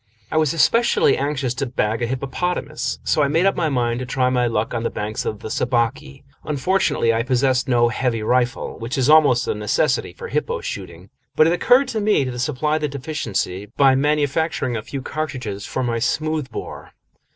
I was especially anxious to bag a hippopotamus, so I made up my mind to try my luck on the banks of the Sabaki. Unfortunately, I possessed no heavy rifle, which is almost a necessity for hippo shooting, but it occurred to me to supply the deficiency by manufacturing a few cartridges for my smoothbore.